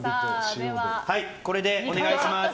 これでお願いします。